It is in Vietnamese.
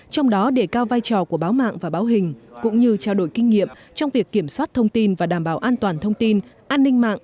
trong đó đề cao vai trò của báo mạng và báo hình cũng như trao đổi kinh nghiệm trong việc kiểm soát thông tin và đảm bảo an toàn thông tin an ninh mạng